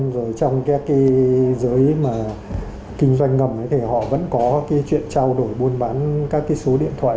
rồi trong các cái giới mà kinh doanh ngầm ấy thì họ vẫn có cái chuyện trao đổi buôn bán các cái số điện thoại